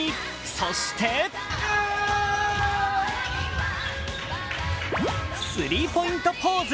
そしてスリーポイントポーズ。